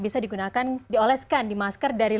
bisa digunakan dioleskan dimasker dari